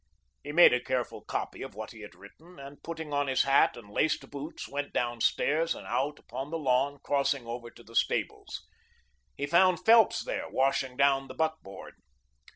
He made a careful copy of what he had written, and putting on his hat and laced boots, went down stairs and out upon the lawn, crossing over to the stables. He found Phelps there, washing down the buckboard.